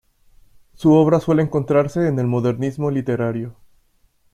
Su obra suele encontrarse en el modernismo literario.